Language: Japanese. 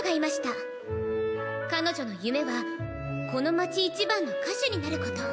彼女の夢はこの街一番の歌手になること。